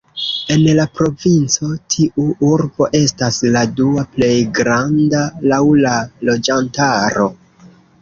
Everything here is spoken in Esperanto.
En la provinco tiu urbo estas la dua plej granda laŭ la loĝantaro.